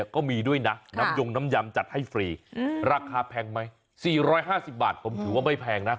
ก็มีด้วยนะน้ำยงน้ำยำจัดให้ฟรีราคาแพงไหม๔๕๐บาทผมถือว่าไม่แพงนะ